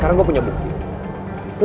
kita harus bekerja